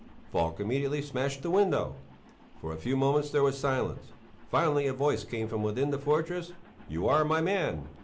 Falk immediately smashed the window. For a few moments there was silence. Finally a voice came from within the fortress: "You are my man!